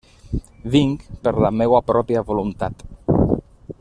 Vinc per la meua pròpia voluntat.